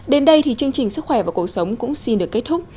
đến đây thì chương trình sức khỏe và cuộc sống cũng xin được kết thúc